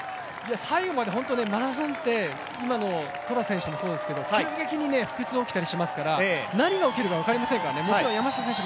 最後までマラソンって、今のトラ選手もそうですけど急激に腹痛が起きたりしますから、何が起きたりするか分かりませんからね。